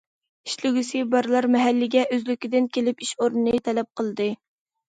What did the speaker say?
ئىشلىگۈسى بارلار مەھەللىگە ئۆزلۈكىدىن كېلىپ ئىش ئورنى تەلەپ قىلدى.